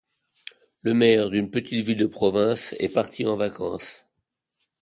Le maire d'une petite ville de province est parti en vacances.